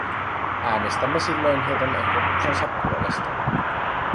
Äänestämme silloin heidän ehdotuksensa puolesta.